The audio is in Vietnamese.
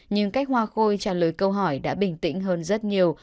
nhưng cách hoa khôi trả lời câu hỏi đã bình tĩnh hơn rất nhiều